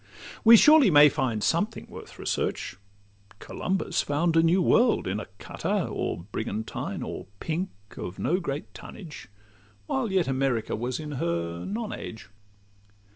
We surely may find something worth research: Columbus found a new world in a cutter, Or brigantine, or pink, of no great tonnage, While yet America was in her non age.